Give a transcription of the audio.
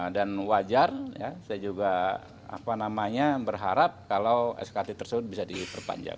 wajar saya juga berharap kalau skt tersebut bisa diperpanjang